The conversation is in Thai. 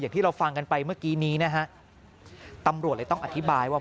ที่เราฟังกันไปเมื่อกี้นี้นะฮะตำรวจเลยต้องอธิบายว่า